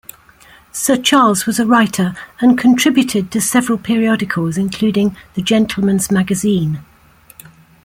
Sir Charles was a writer, and contributed to several periodicals including "The Gentleman's Magazine".